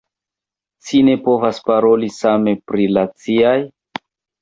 Ci ne povas paroli same pri la ciaj.